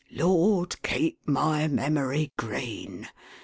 « Lord, keep my memory green